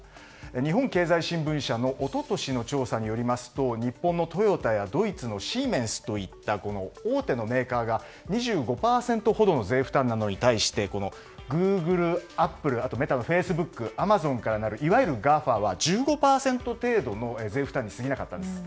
日本経済新聞社の一昨年の調査によりますと日本のトヨタやドイツのシーメンスといった大手のメーカーが２５％ほどの税負担なのに対してこのグーグル、アップルメタのフェイスブックアマゾンからなるいわゆるＧＡＦＡは１５％程度の税負担に過ぎなかったんです。